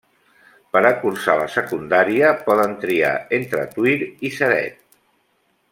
Per a cursar la secundària, poden triar entre Tuïr i Ceret.